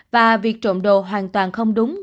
và việc trộm đồ hoàn toàn không đúng